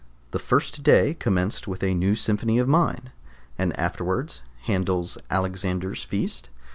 The first day commenced with a new Symphony of mine, and afterwards Handel's Alexander's Feast.